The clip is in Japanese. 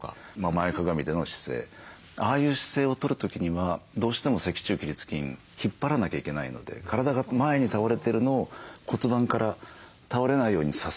前かがみでの姿勢ああいう姿勢をとる時にはどうしても脊柱起立筋引っ張らなきゃいけないので体が前に倒れてるのを骨盤から倒れないように支えてやる。